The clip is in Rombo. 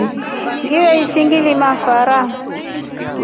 Ngiveshi ngilima fara.